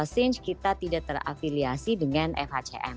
sinch kita tidak terafiliasi dengan fhcm